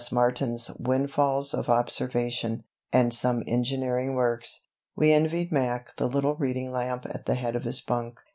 Martin's "Windfalls of Observation," and some engineering works. We envied Mac the little reading lamp at the head of his bunk.